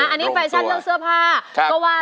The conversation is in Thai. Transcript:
อันนี้แฟชั่นเด้อเสื้อผ้า